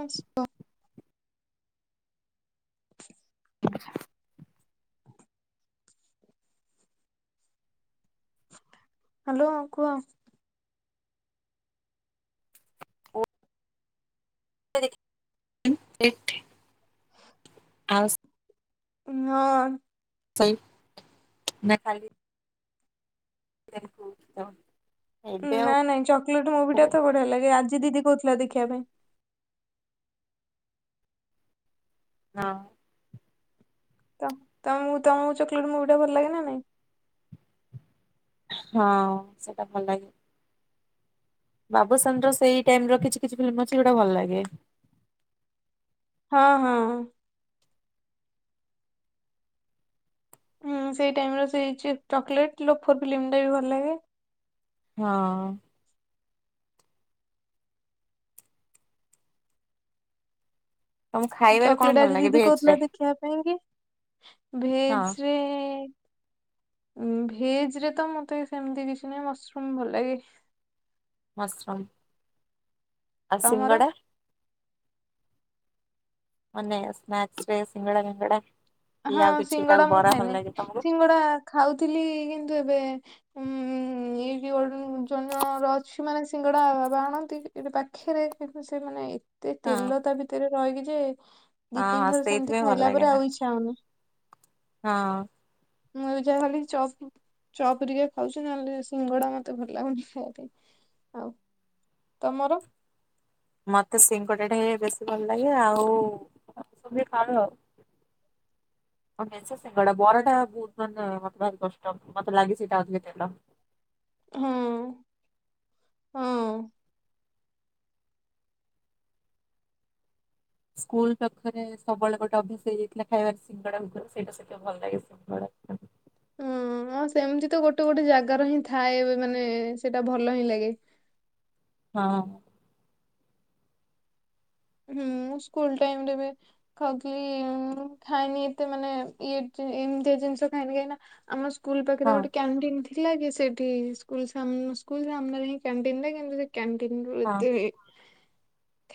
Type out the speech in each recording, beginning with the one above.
ଆସ୍ ବ [unintelligible] [inaudible] ହାଲୋ କୁହ। [unintelligible] ଉଁ ଏଠି ଆଉ ସେ ହଁ ସ ନା ଖାଇକି ବକୁ [unintelligible] ନା ନାଇଁ ଚକ୍ଲେଟ୍ ମୁଭି ଆଉ ଟା ତ ବଢିଆ ଲାଗେ ଆଜି ଦିଦି କହୁଥିଲା ଦେଖିବା ପାଇଁ। ହଁ। ତମ ତମକୁ ତମକୁ ଚକ୍ଲେଟ୍ ମୁଭିଟା ଭଲ ଲାଗେ ନା ନାଇଁ। ହଁ ସେଟା ଭଲ ଲାଗେ। ବାବୁସନ୍ ର ସେଇ ଟାଇମ୍ ର କିଛି କିଛି ଫିଲ୍ମ ଅଛି ଯୋଉଟା ଭଲ ଲାଗେ। ହଁ ହଁ। ହୁଁ ସେଇ ଟାଇମ୍ ର ସେଇ ଚକୋଲେଟ୍ ଲୋ ଲୋଫର ଫିଲ୍ମ ଟା ବି ଭଲ ଲାଗେ। ହଁ। ତମ ଖାଇବାରେ କଣ ଚକ୍ଲେଟ ଭଲ ଆଜି ଲାଗେ ଦିଦି ଭେଜ କହୁଥିଲା ରେ? ଦେଖିବା ପାଇଁ କି ହଁ ଭେଜ୍ ରେ। ଉଁ ଭେଜ୍ ରେ ତ ମତେ ସେମିତି କିଛି ନାହିଁ ମସରୁମ୍ ଭଲ ଲାଗେ। ମସରମ୍ ଆ ତମର? ସିଙ୍ଗଡ଼ା। ମନେ ସ୍ନାକ୍ସ ରେ ଶିଙ୍ଗଡ଼ ବିଙ୍ଗଡ଼ା। ହଁ ସିଙ୍ଗଡ଼ା ମୁଁ ଖାଇନି ତମକୁ? ସିଙ୍ଗଡା ଖାଉଥିଲି କିନ୍ତୁ ଏବେ ଉୁଁ ଏ ବି ଜଣ ଜଣର ଅଛି ମାନେ ସିଙ୍ଗଡା ବାବା ଆଣନ୍ତି। ଏବେ ପାଖେରେ କିନ୍ତୁ ସେ ମାନେ ଏତେ ହଁ ତେଲ ତା ଭିତରେ ରହିକି ଯେ ଦିଇ ହଁ ତିିନି ହଁ ଥର ସେିମିତି ସେଇଥିପାଇଁ ଭଲ ଖାଇଲା ଲାଗେ ପରେ ନା ଆଉ ଇଚ୍ଛା ହଉନି। ହଁ। ମୁଁ ଏବେ ଯାହା ଖାଲି ଚପ୍ ଚପ୍ ରିକା ଖାଉଛି ନହେଲେ ସିଙ୍ଗଡା ମତେ ଭଲ ଲାଗୁନି ଖାଇବାପାଇଁ। ଆଉ ତୋମର? ମୋତେ ସିଙ୍କ ପୋଟାଟ୍ ହିଁ ବେଶୀ ଭଲ ଲାଗେ, ଆଉ ସବୁ ଏ ଖାଉ ଆଉ। [inaudible] [inaudible] ସିଙ୍ଗଡା ବରା ଟା ବହୁତ ମାନେ ମୋତେ ଭାରି କଷ୍ଟ। ମୋତେ ଲାଗି ସେଇଟା ଅଧିକ ତେଲ। ହଁ, ହଁ। ସ୍କୁଲ୍ ପାଖରେ ସବୁବେଳେ ଗୋଟେ ଅଭ୍ୟାସ ହେଇଯାଇଥିଲା ଖାଇବାର ସିଙ୍ଗଡା ଭୁଗୁନି। ସେଇଟା ସେ ତ ଭଲ ଲାଗେ ସିଙ୍ଗଡା [inaudible] ଅଁ, ଆଉ ସେମିତି ତ ଗୋଟେ ଗୋଟେ ଜାଗାର ହିଁ ଥାଏ ମାନେ ସେଟା ଭଲ ହିଁ ଲାଗେ। ହଁ। ହୁଁ, ମୁଁ ସ୍କୁଲ୍ ଟାଇମ୍ ରେ ବି କଣ କି ମୁଁ ଖାଇନି ଏତେ ମାନେ ଇଏ ଯେ ଏମିତିଆ ଜିନିଷ ଖାଏନି, କାହିଁକି ନା ଆମ ସ୍କୁଲ୍ ପାଖରେ ହଁ ଗୋଟେ କ୍ୟାଣ୍ଟିନ୍ ଥି ଥିଲା କି ସେଠି ସ୍କୁଲ୍ ସାମ ସ୍କୁଲ୍ ସାମ୍ନାରେ ହିଁ କ୍ୟାଣ୍ଟିନ୍ ଟା କିନ୍ତୁ ସେ କ୍ୟାଣ୍ଟିନ ରୁ ହଁ ଏତେ ଏ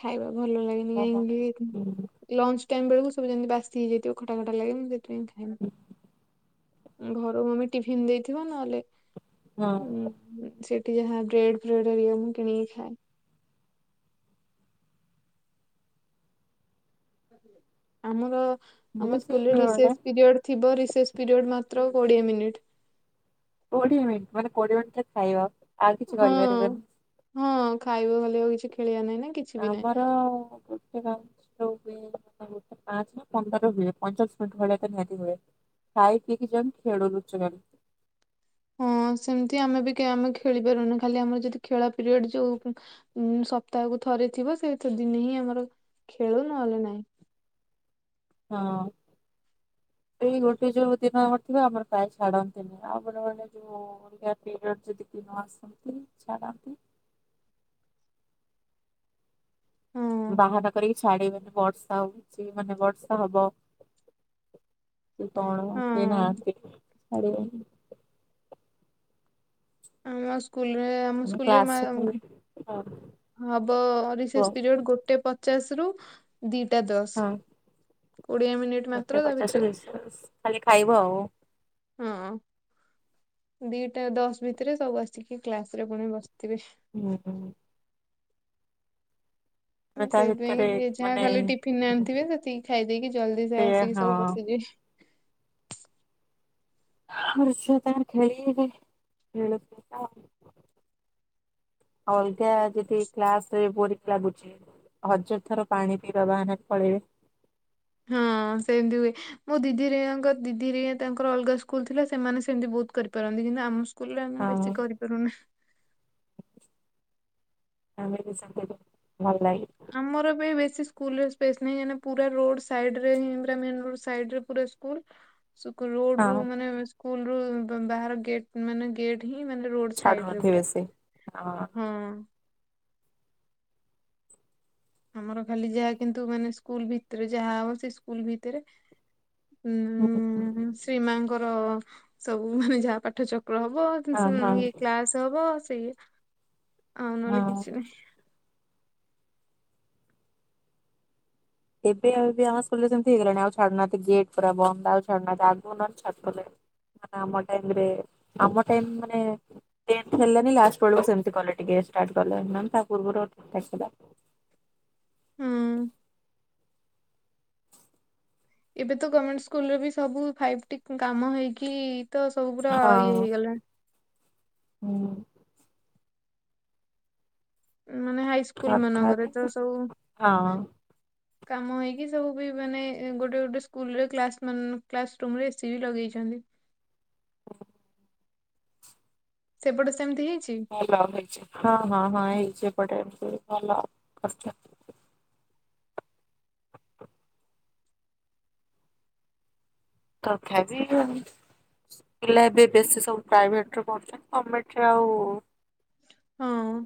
ଖାଇବା ଭଲ ଲାଗେନି, ଓହୋ। କାହିଁକି ଉଁ, ହୁଁ, ଲଞ୍ଚ ଟାଇମ୍ ବେଳକୁ ସବୁ ଯେମତି ବାସି ହେଇଯାଇଥିବ ଖଟା ଖଟା ଲାଗେ ମୁଁ ସେଥିପାଇଁ ଖାଏନି। ହ। ଘରୁ ମମି ଟିଫନ୍ ଦେଇଥିବ। ନହେଲେ ଅଁ, ହଁ ଉଁ, ହୁଁ, ସେଇଠି ଯାହା ବ୍ରେଡ୍ ଫ୍ରେଡ୍ ହେଲେ ମୁଁ କିଣିକି ଖାଏ। ଆମର ମୁଁ ଆମ ବି ସେଇ ସ୍କୁଲ୍ ରେ ବେଳେ ରିସେସ୍ ପିରିୟଡ୍ ଥିବ ରିସେସ୍ ପିରିୟଡ଼୍ ମାତ୍ର କୋଡ଼ିଏ ମିନିଟ୍। କୋଡିଏ ମିନିଟ୍ ମାନେ କୋଡିଏ ମିନିଟ୍ ରେ ଖାଇବା। ଆଉ କିଛି ହଁ, କରିପାରିବାନି ହଁ ଖାଇବା ଖାଲି ରହିଛି, ଖେଳିବା ନାହିଁ ନା କି ଆମର ଗୋଟେ [inaudible] ତ ପାଞ୍ଚ ନା ପନ୍ଦର ହୁଏ, ପଞ୍ଚାଶ ମିନିଟ୍ ଭଳିଆ ତ ନିହାତି ହୁଏ। ଖାଇ ପିଇକି ଯେନ୍ ଖେଳୁଛୁ ଖାଲି। ହଁ ସେମିତି ଆମେ ବି କେ ଆମେ ଖେଳି ପାରୁନୁ, ଖାଲି ଆମର ଯଦି ଖେଳ ପିରିୟଡ୍ ଥିବ [unintelligible] ଉଁ, ସପ୍ତାହକୁ ଥରେ ଥିବ ସେଇତ ଦିନି ହିଁ ଆମର ଖେଳୁ ନହେଲେ ନାହିଁ। ହଁ। ଏଇ ଗୋଟେ ଯୋଉ ଦିନ ଆମର ଥିବା ଆମର ପ୍ରାୟ ଛାଡନ୍ତିନି, ଆପର ମାନେ ଯୋଉ ଅଲଗା ପିରିୟଡ଼୍ ଯଦି କି ନ ଆସନ୍ତି ଛାଡ଼ନ୍ତି। ହଁ ବାହାନା କରିକି ଛାଡ଼ି ବେନି ବର୍ଷା ହଉଛି, ମାନେ ବର୍ଷା ହବ। କି କଣ କେଇ ହଁ ନାହାନ୍ତି ଛାଡିବେନି। ଆମ ସ୍କୁଲ୍ ରେ ଆମ ଆମେ ସ୍କୁଲ୍ ରେ ମା- କ୍ଲାସରେ ଖାଲି ହଁ କୁହ ହବ ରିସେସ୍ ହଁ ପିରିୟଡ଼୍ ଗୋଟେ ପ ଚାଶ ରୁ ଦିଟା ଦଶ କୋଡିଏ ମିନିଟ୍ ମାତ୍ର, ତା ଭିତରେ ବାସ୍ ଖାଲି ଖାଇବ ଆଉ। ହଁ ଦିଟା ଦଶ ଭିତରେ ସବୁ ଆସିକି କ୍ଲାସ୍ ରେ ପୁଣି ବସିଥିବେ। ନା ତ ଆମେ ତା ସେଥିପାଇଁ ଭିତରେ କି ଯି ଯାହା ମାନେ ଖାଲି ଟିଫିିନ୍ ଆଣିଥିବେ ସେତିକି ଖାଇଦେଇକି ଜଲଦି ସେ ଆସିକି ସବୁ ବସିଯିବେ। ହଁ ଛୁଆ ତାହାଲେ ଖଳିବେ [inaudible] ଆଉ ଅଲଗା ଯଦି କ୍ଲାସ୍ ରେ ବୋରିଙ୍ଗ ଲାଗୁଛି ହଜାର ଥର ପାଣି ପିଇବା ବାହାନାରେ ପଳେଇବେ। ହଁ ସେମିତି ହୁଏ। ମୋ ଦିଦିି ହେଆଙ୍କର ଦିଦିି ହେରିଆ ତାଙ୍କର ଅଲଗା ସ୍କୁଲ୍ ଥିଲା, ସେମାନେ ସେମିତି ବହୁତ କରିପାରନ୍ତି। କିନ୍ତୁ ଆମ ସ୍କୁଲ୍ ରେ ଆମେ ହଁ ବେଶୀ କରିପାରୁନା। ଆମେ ବି [inaudible] ଭଲ ଲାଗେ। ଆମର ବି ବେଶୀ ସ୍କୁଲ୍ ରେ ସ୍ପେସ୍ ନାହିଁ, କାହିଁକି ନା ପୁରା ରୋଡ୍ ସାଇଡ୍ ରେ ହିଁ ପୁରା ମେନ୍ ରୋଡ୍ ସାଇଡ୍ ରେ ପୁରା ସ୍କୁଲ୍। ସୁକୁ ରୋଡ୍ ରୁ ହଁ ମାନେ ଏ ସ୍କୁଲ୍ ରୁ ବ-ବାହାର ଗେଟ୍ ମାନେ ଗେଟ୍ ହିଁ ମାନେ ରୋଡ୍ ସାଇଡ୍ ରେ ଛାଡୁନଥିବେ ପୁରା ସେ ହଁ। ଆମର ଖାଲି ଯାହା କିନ୍ତୁ ମାନେ ସ୍କୁଲ୍ ଭିତରେ ଯାହା ହବ ସେ ସ୍କୁଲ୍ ଭିତରେ। ଉଁ ଶ୍ରୀ ମାଙ୍କର ସବୁ ମାନେ ଯାହା ପାଠ ଚକ୍ର ହବ। ହଁ [unintelligible] ହଁ ଇଏ କ୍ଲାସ ହବ ସେଆ ଆଉ ନହେଲେ ହଁ କିଛି ନାହିଁ। ଏବେ ଆଉ ଏବେ ଆମ ସ୍କୁଲରେ ସେମିତି ହେଇଗଲାଣି ଆଉ ଛାଡୁ ନାହାନ୍ତି ଗେଟ୍ ପୁରା ବନ୍ଦ ଆଉ ଛାଡୁ ନାହାନ୍ତି ଆଗରୁ ନହେଲେ ଛାଡୁଥିଲେ। ମାନେ ଆମ ଟାଇମରେ ଆମ ଟାଇମ ମାନେ ଟେପ୍ ହେଲାନି ଲାଷ୍ଟ ବେଳକୁ ସେମିତି କଲେ ଟିକେ ଷ୍ଟାର୍ଟ କଲେ ନହେଲେ ତା ପୂର୍ବରୁ [unintelligible] ଥିଲା। ହୁଁ। ଏବେ ତ ଗର୍ମେଣ୍ଟ ସ୍କୁଲରେ ବି ସବୁ ଫାଇଭ୍ ଟି କାମ ହେଇକି ତ ସବୁ ପୁରା ଇଏ ହଁ ହେଇଗଲା। ହୁଁ। ମାନେ ହାଇ ସ୍କୁଲ ମାନଙ୍କରେ ତଥାପି ତ ସବୁ ହଁ କାମ ହେଇକି ସବୁ ବି ମାନେ ଗୋଟେ ଗୋଟେ ସ୍କୁଲରେ କ୍ଲାସ୍ ମାନ କ୍ଲାସ ରୁମରେ ଏସିି ବି ଲଗେଇଛନ୍ତି। ସେପଟେ ସେମିତି ହେଇଛି? [unintelligible] ଭଲ ହେଇଛି ହଁ ହଁ ହଁ ହେଇଛି ଏପଟେ ଏମିତି ଭଲ କରିଛନ୍ତି। ତଥାବି ପିଲା ଏବେ ବେଶୀ ସବୁ ପ୍ରାଇଭେଟରେ ପଢ଼ୁଛନ୍ତି ଗମେଣ୍ଟରେ ଆଉ ହଁ।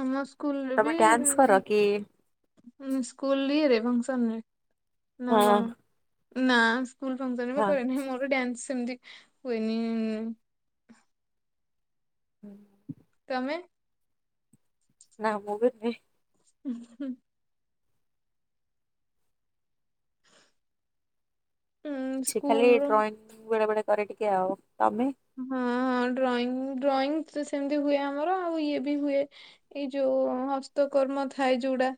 ଆମ ସ୍କୁଲରେ ବି ତମେ ଡ୍ୟାନ୍ସ କର କି? ଆମ ସ୍କୁଲ ହିଁ ରେଭେନ୍ସା ନୁହେଁ ନା ହଁ। କଣ ନା ସ୍କୁଲ ଫଙ୍କସନ୍ ମୁଁ ହଁ କରେନି ମୋର ଡ୍ୟାନ୍ସ ସେମିତି ହୁଏନି। ହୁଁ। ତମେ? ନା ମୁଁ ବି ନୁହେଁ। ହୁଁ ହୁଁ। ହୁଁ ସେ ଖାଲି ସ୍କୁଲରୁ ଡ୍ରଇଂ ବେଳେ ବେଳେ କରେ ଟିକେ ଆଉ ତମେ? ହଁ ଡ୍ରଇଂ ଡ୍ରଇଂ ତ ସେମିତି ହୁଏ ଆମର ଆଉ ଇଏ ବି ହୁଏ। ଏଇ ଯୋଉ ହସ୍ତକର୍ମ ଥାଏ ଯୋଉଡା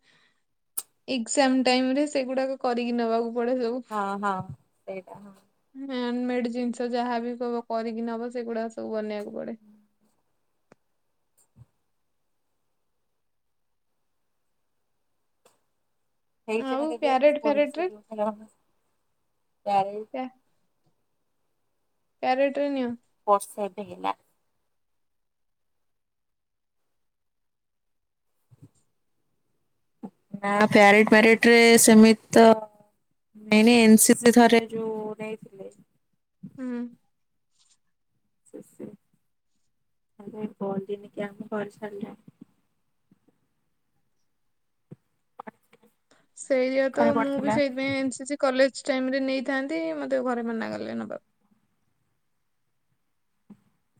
ଏକଜାମ ଟାଇମ ରେ ସେଗୁଡାକ କରିକି ନେବାକୁ ପଡେ ସବୁ। ହଁ ହଁ ସେଇଟା ହଁ ହ୍ୟାଣ୍ଡମେଡ ଜିନିଷ ଯାହା ବି କହିବ କରିକି ନବ ସେଗୁଡାକ ସବୁ ବନେଇବାକୁ ପଡେ। ନେଇଛ ନା ଆଉ କେବେ ପ୍ୟାରେଟ ଫ୍ୟାରେଟ ସ୍କୁଲସି ରେ ହେଲୋ ପ୍ୟାରେଡ? ପ୍ୟାରେଡ୍ ରେ ନିଅ? ବର୍ଷା ଏବେ ହେଲା। ନା ପ୍ୟାରେଡ୍ ଫ୍ୟାରେଡ୍ ରେ ସେମିତି ତ ନାଇଁ ନାଇଁ ଏନ ସି ପି ଥରେ ଯୋଉ ନେଇ ହୁଁ। ଆଉ କାଇ କୁହନ୍ତିନିକି ଆମ ଘରେ ଛାଡି [unintelligible] ସେଇଆ ତ ପାଖରେ ମୁଁ ବି ପଡିଥିଲା ସେଇଥିପାଇଁ N C C college time ରେ ନେଇଥାନ୍ତି ମତେ ଘରେ ମନା ଗଲେ ନବାକୁ।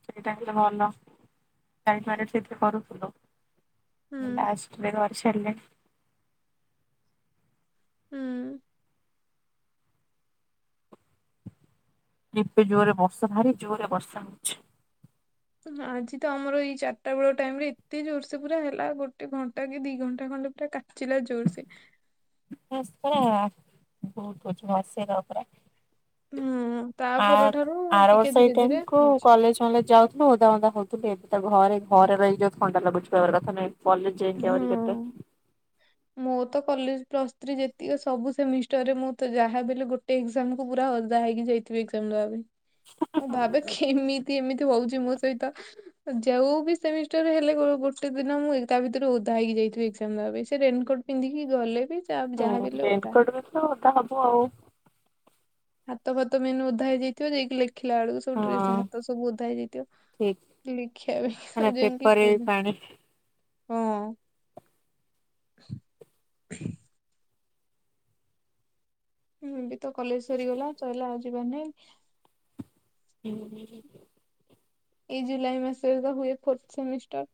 ସେଇ ଟାଇମରେ ଭଲ ଜାଣିପାରେ ପିଭି କରୁଥିଲୁ। ହୁଁ [unintelligible] [unintelligible] ହୁଁ। କେବେ ଜୋରେ ବର୍ଷା ଭାରି ଜୋରରେ ବର୍ଷା ହଉଛି। ଆଜି ତ ଆମର ଏଇ ଚାରିଟା ବେଳ ଟାଇମ ରେ ଏତେ ଜୋରସେ ପୁରା ହେଲା ଗୋଟେ ଘଣ୍ଟା କି ଦି ଘଣ୍ଟା ଖଣ୍ଡେ ପୁରା କା- ଚିଲା ଜୋରସେ। ବସ ପରା ବହୁତ କଛୁ [unintelligible] ହୁଁ। ତା ଆ ପରଠାରୁ ଆର ଟିକେ ବର୍ଷ ଏଇ ଧୀରେ ଟାଇମ ଧୀରେ କୁ ହଉଛି କଲେଜ ଫଲେଜ ଯାଉ- ଥିଲୁ ଓଦା ମଦା ହଉଥିଲୁ ଏବେ ତ ଘରେ ଘରେ ରହି ଯୋଉ ଥଣ୍ଡା ଲାଗୁଛି କହିବାର କଥା ନାଇଁ। କଲେଜ ଯାଇକି ଆହୁରି ହଁ। କେତେ ମୋର ତ କଲେଜ ପ୍ଲସ ଥ୍ରୀ ଯେତିକି ସବୁ ସେମିଷ୍ଟାର ରେ ମୁଁ ତ ଯାହାବି ହେଲେ ଗୋଟେ ଇ - ଏକଜାମ୍ କୁ ପୁରା ଓଦା ହେଇକି ଯାଇଥିବି ଏକଜାମ ଦେବା ପାଇଁ ମୁଁ ଭାବେ କେମିତି ତି ଏମିତି ହଉଛି ମୋ ସହିତ ଯଉ ବି ସେମିଷ୍ଟାର ହେଲେ ଗୋ ଗୋଟେ ଦିନ ମୁଁ ତା ଭିତରେ ଓଦା ହେଇକି ଯାଇଥିବି ଏକ୍ସାମ ଦେବା ପାଇଁ ସେ ରେନିକୋଟ ପିନ୍ଧିକି ଗଲେ ବି ଯାହା ହୁଁ ଯାହା ବି ହେଲେ ଓଦା। ରେନକୋଟ ବି ତ ଓଦା ହବ ଆଉ। ହାତ ଫାତ ମେନ ଓ ଭଗଧା ହେଇଯାଇଥିବ ଯାଇକି ଲେଖିଲା ବେଳକୁ ସବୁ ଡ୍ରେସ ହଁ। ହାତ ସବୁ ଓଧା ଠିକ ହେଇଯାଇଥିବ। ଲେଖିଆ ଭି ଭାଇ ମାନେ ଆ ଯାଇଙ୍ଗି ପେପରରେ ବି ପ୍ରବ୍ଲେମ୍ [inaudible] ପାଣି ହଁ [inaudible] ହୁଁ ଏ ବି ତ କଲେଜ ସରିଗଲା ଚଳିଲା ଆଉ ଯିବାର ନାଇଁ। ହୁଁ ହୁଁ [inaudible] ଏଇ ଜୁଲାଇ ମାସରେ ତ ହୁଏ ଫୋର୍ଥ ସେମିଷ୍ଟର।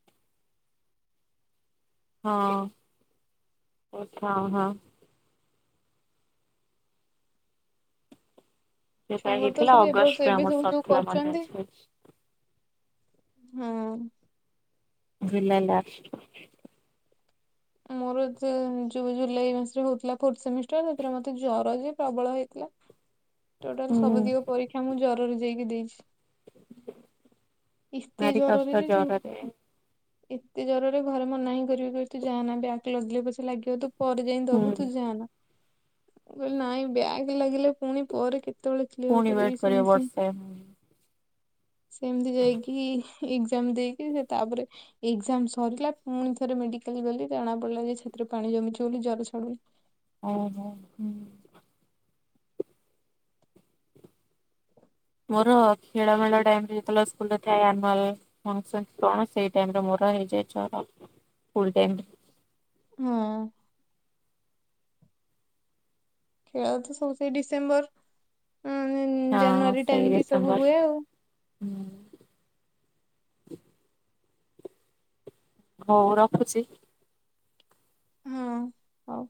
ହଁ ହଁ ହଁ ଯୋଉଟା ଛୁଆଙ୍କର ତ ହେଇଥିଲା ସବୁ ଏ ବର୍ଷ ଅଗଷ୍ଟରେ ଏବେ ଆମର ସବୁ ଯୋଉ ସରିଥିଲା ମନେ କରୁଛନ୍ତି। ଅଛି। ହଁ [inaudible] ମୋର ଜୁଲାଇ ମାସରେ ହଉଥିଲା ଫୋର୍ଥ ସେମିଷ୍ଟର ସେଥିରେ ମୋତେ ଜର ଯେ ପ୍ରବଳ ହେଇଥିଲା। ଟୋଟାଲ ହୁଁ ସବୁ ଦିକ ପରୀକ୍ଷା ମୁଁ ଜରରେ ଯାଇକି ଦେଇଛି। ଏତେ ଭାରି ଜରରେ କଷ୍ଟ ଯେ ସେ ଜରରେ ଏତେ ଜରରେ ଘରେ ମନାହିଁ କରିବେ କହିବେ ତୁ ଯାନା ବ୍ୟାଗ ଲାଗିଲେ ପଛେ ଲାଗିବ ତୁ ପରେ ଯାଇ ହୁଁ ଦବୁ ତୁ ଯାାନ କହିଲି ନାଇଁ ବ୍ୟାଗ ଲାଗିଲେ ପୁଣି ପରେ କେତେ କେତେବେଳେ କ୍ଲିୟର ପୁଣି ୱେଟ୍ କରିବି କରିବ ସେମିତି ବର୍ଷେ ସେମିତି ଯାଇକି ଏକ୍ସାମ ଦେଇକି ସେ ତାପରେ ଏଜାମ ସରିଲା ପୁଣି ଥରେ ମେଡିକାଲ ଗଲି ଜଣା ପଡିଲା ଯେ ସେଥୀରେରେ ପାଣି ଜମିଛି ବୋଲି ଜର ଛଡୁନି। ଓ ହୋ ହୁଁ ମୋର ଖେଳ ମେଳ ଟାଇମ ରେ ଯେତେବେଳେ ସ୍କୁଲରେ ଥାଏ ଆନୁଆଲ। କଣ ସେଇ ଟାଇମ ଟା ମୋର ହେଇଯାଇ [inaudible] ହଁ ଖେଳ ତ ସବୁ ସେ ଡିସେମ୍ବର ହଁ ଜାନୁଆରୀ ସେଇ ଟାଇମ କି ସବୁ ଡିସେମ୍ବର। ହୁଏ ଆଉ। ହୁଁ ହଉ ରଖୁଛି। ହଁ ହଉ